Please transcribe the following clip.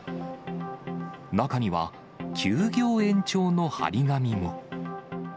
中には、休業延長の貼り紙も。